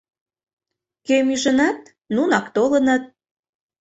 Кӧм ӱжынат, нунак толыныт.